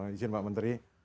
izin mbak menteri